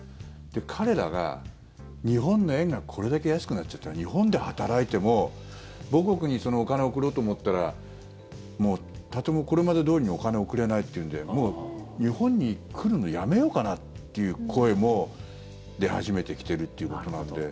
彼らが、日本の円がこれだけ安くなっちゃったら日本で働いても母国にお金を送ろうと思ったらとても、これまでどおりにお金を送れないというのでもう日本に来るのやめようかなという声も出始めてきているということなので。